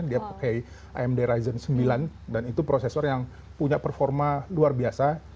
dia pakai amd ryzen sembilan dan itu prosesor yang punya performa luar biasa